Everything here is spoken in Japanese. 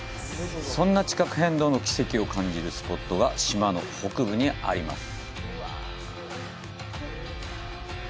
そんな地殻変動の奇跡を感じるスポットが島の北部にあります。